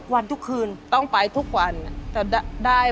แม่ก็บอกให้อยู่เงีบ